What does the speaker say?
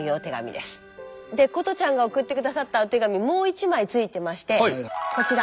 で琴ちゃんが送って下さったお手紙もう１枚ついてましてこちら。